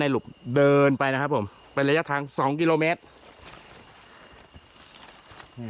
หลุบเดินไปนะครับผมเป็นระยะทาง๒กิโลเมตร